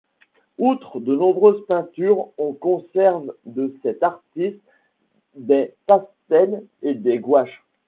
Outre de nombreuses peintures, on conserve de cet artiste des pastels et des gouaches.